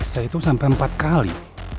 saya itu sampai empat kali